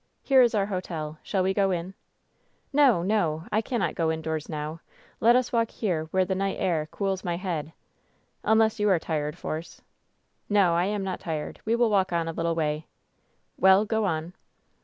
Here is our hotel. Shall we go in ?" "No ! no ! I cannot go indoors now ! Let us walk here where the night air cools my head — ^unless you are tired, Force ?" "No, I am not tired. We will walk on a little way." "Well, go on